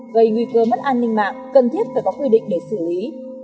gây nguy cơ mất an ninh mạng cần thiết phải có quy định để xử lý